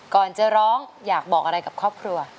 ก่อนจะร้องอยากบอกอะไรกับครอบครัว